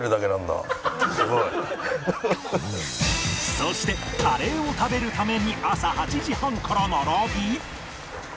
そしてカレーを食べるために朝８時半から並び